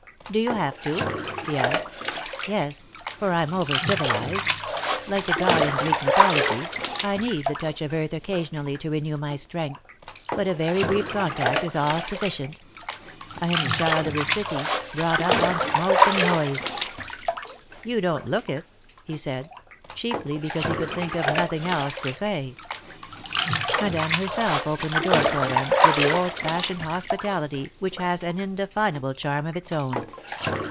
"Do you have to?" he asked. "Yes, for I'm over civilised. Like the god in Greek mythology, I need the touch of earth occasionally to renew my strength, but a very brief contact is all sufficient. I'm a child of the city, brought up on smoke and noise." "You don't look it," he said, chiefly because he could think of nothing else to say. Madame herself opened the door for them, with the old fashioned hospitality which has an indefinable charm of its own.